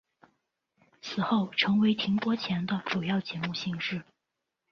此后成为停播前的主要节目形式。